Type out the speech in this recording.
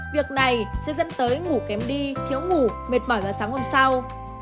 việc này sẽ dẫn tới ngủ kém đi thiếu ngủ mệt mỏi vào sáng hôm sau